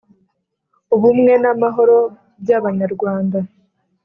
ubumwe n'amahoro by'abanyarwanda.